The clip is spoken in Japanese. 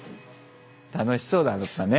楽しそうだったね。